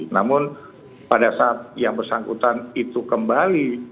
namun pada saat yang bersangkutan itu kembali